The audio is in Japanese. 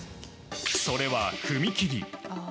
それは踏み切り。